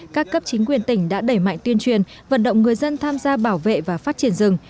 các cấp chính quyền tỉnh đã đẩy mạnh tuyên truyền vận động người dân tham gia bảo vệ và phát triển rừng